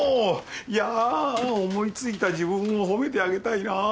いや思い付いた自分を褒めてあげたいなあ。